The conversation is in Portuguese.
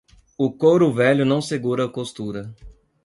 O couro velho não segura a costura.